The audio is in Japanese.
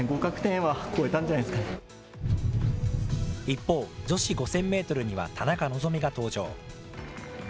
一方、女子５０００メートルには田中希実が登場。